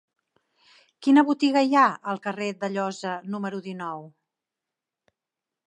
Quina botiga hi ha al carrer d'Alloza número dinou?